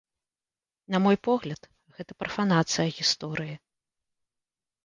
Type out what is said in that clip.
На мой погляд, гэта прафанацыя гісторыі.